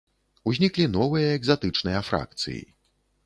Узніклі новыя экзатычныя фракцыі.